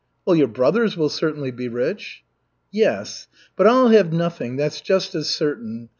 "Well, your brothers will certainly be rich." "Yes. But I'll have nothing, that's just as certain.